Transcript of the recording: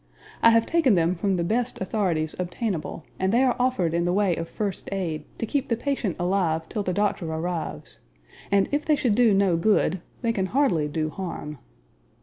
I have taken them from the best authorities obtainable and they are offered in the way of first aid, to keep the patient alive till the doctor arrives; and if they should do no good, they can hardly do harm.